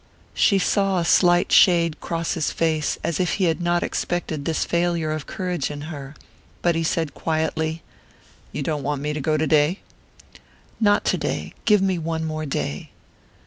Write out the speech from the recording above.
She saw a slight shade cross his face, as if he had not expected this failure of courage in her; but he said quietly: "You don't want me to go today?" "Not today give me one more day."